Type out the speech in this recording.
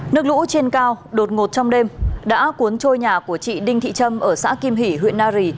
nước lũ trên cao đột ngột trong đêm đã cuốn trôi nhà của chị đinh thị trâm ở xã kim hỷ huyện nari